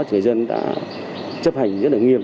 người dân đã chấp hành rất nghiêm